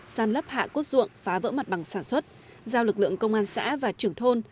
san lấp hạ cốt ruộng phá vỡ mặt bằng sản xuất giao lực lượng công an xã và trưởng thôn